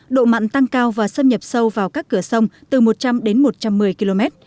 độ mặn tăng cao và xâm nhập sâu vào các cửa sông từ một trăm linh đến một trăm một mươi km